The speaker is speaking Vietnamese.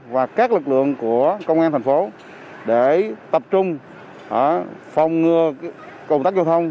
và các lực lượng của công an thành phố để tập trung phòng ngừa công tác giao thông